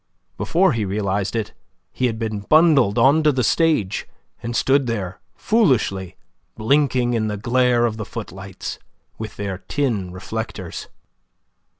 Before he realized it, he had been bundled on to the stage, and stood there foolishly, blinking in the glare of the footlights, with their tin reflectors.